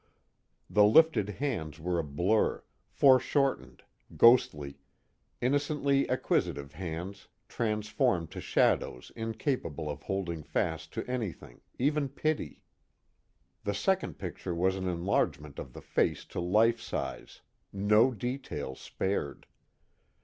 The lifted hands were a blur, foreshortened, ghostly; innocently acquisitive hands transformed to shadows incapable of holding fast to anything, even pity. The second picture was an enlargement of the face to life size, no detail spared.